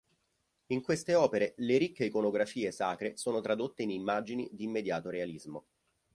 In queste opere le ricche iconografie sacre sono tradotte in immagini di immediato realismo.